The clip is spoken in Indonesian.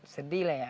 sedih lah ya